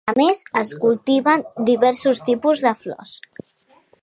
A més es cultiven diversos tipus de flors.